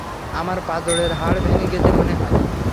আমার পাঁজরের হাড় ভেঙে গেছে মনে হয়।